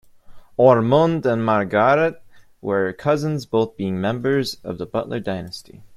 Ormonde and Mountgarret were cousins, both being members of the Butler dynasty.